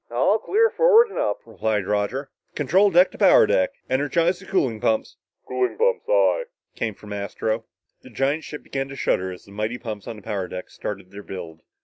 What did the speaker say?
"All clear forward and up," replied Roger. "Control deck to power deck ... energize the cooling pumps!" "Cooling pumps, aye," came from Astro. The giant ship began to shudder as the mighty pumps on the power deck started their build.